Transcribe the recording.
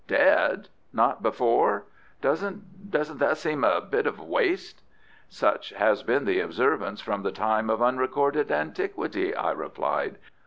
"Dead! not before? Doesn't doesn't that seem a bit of a waste?" "Such has been the observance from the time of unrecorded antiquity," I replied.